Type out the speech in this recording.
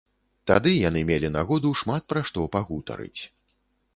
Тады яны мелі нагоду шмат пра што пагутарыць.